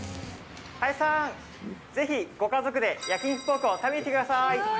林さん、ぜひご家族で焼肉ポークを食べに来てください。